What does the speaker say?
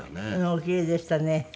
お奇麗でしたね。